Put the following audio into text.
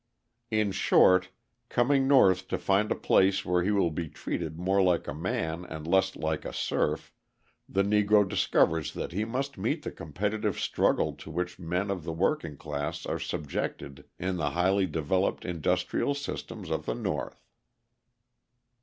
In short, coming North to find a place where he will be treated more like a man and less like a serf, the Negro discovers that he must meet the competitive struggle to which men of the working class are subjected in the highly developed industrial system of the North.